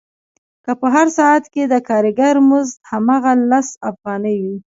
که په هر ساعت کې د کارګر مزد هماغه لس افغانۍ وي